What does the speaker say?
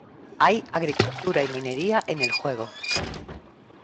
Hay agricultura y minería en el juego.